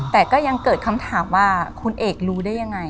แต่ก็ยังเกิดคำถามว่าคุณเอกรู้ได้ยังไง